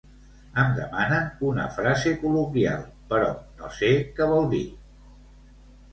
Em demanen una frase col·loquial, però no sé que vol dir